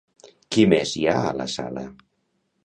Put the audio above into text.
Qui més hi ha a la sala?